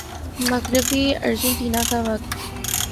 مغربی ارجنٹینا کا وقت